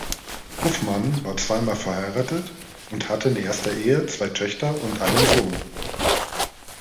Huffman war zweimal verheiratet und hatte in erster Ehe zwei Töchter und einen Sohn.